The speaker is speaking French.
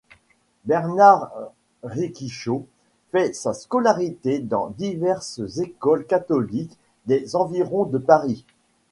Bernard Réquichot fait sa scolarité dans diverses écoles catholiques des environs de Paris.